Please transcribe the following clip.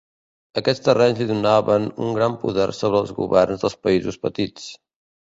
Aquests terrenys li donaven un gran poder sobre els governs dels països petits.